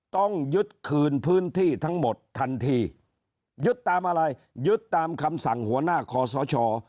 ต้องยึดคืนพื้นที่ทั้งหมดทันทียึดตามอะไรยึดตามคำสั่งหัวหน้าคอสช